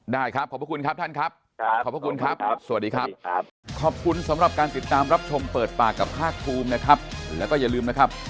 ได้เลยครับได้ครับยินดีครับตอนก็ให้มาที่สมสรรค์สวน๑๐โมงทุกวันนะครับ